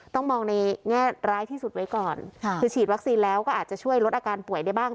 ต้องมองในแง่ร้ายที่สุดไว้ก่อนคือฉีดวัคซีนแล้วก็อาจจะช่วยลดอาการป่วยได้บ้าง